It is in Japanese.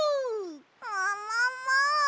ももも！